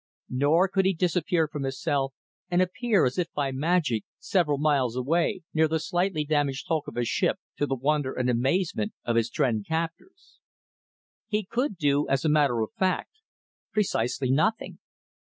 Nor could he disappear from his cell and appear, as if by magic, several miles away near the slightly damaged hulk of his ship, to the wonder and amazement of his Tr'en captors. He could do, as a matter of fact, precisely nothing.